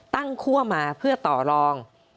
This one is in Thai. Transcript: ตั้งขั้วมาเพื่อต่อรอง